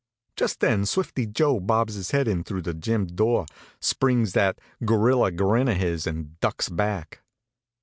Just then Swifty Joe bobs his head in through the gym. door, springs that gorilla grin of his, and ducks back.